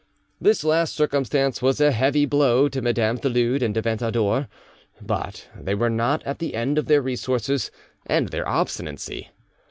This last circumstance was a heavy blow to Mesdames du Lude and de Ventadour; but they were not at the end of their resources and their obstinacy.